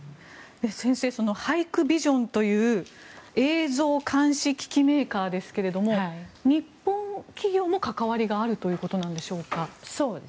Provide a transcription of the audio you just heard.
先生ハイクビジョンという映像監視機器メーカーですけども日本企業も関わりがあるということでしょうか。